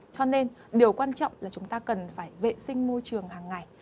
cho nên điều quan trọng là chúng ta cần phải vệ sinh môi trường hàng ngày